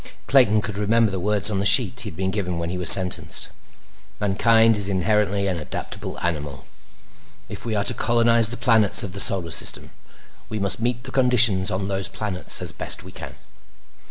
Clayton could remember the words on the sheet he had been given when he was sentenced. "Mankind is inherently an adaptable animal. If we are to colonize the planets of the Solar System, we must meet the conditions on those planets as best we can.